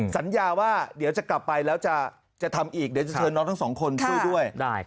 สัญญาว่าเดี๋ยวจะกลับไปแล้วจะทำอีกเดี๋ยวจะเชิญน้องทั้งสองคนช่วยด้วย